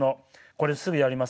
これすぐやります。